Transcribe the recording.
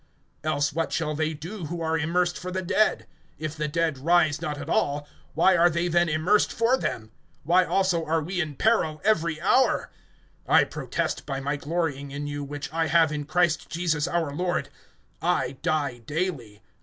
(29)Else what shall they do who are immersed for the dead? If the dead rise not at all, why are they then immersed for them? (30)Why also are we in peril every hour? (31)I protest by my glorying in you, which I have in Christ Jesus our Lord, I die daily.